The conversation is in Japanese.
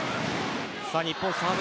日本サーブ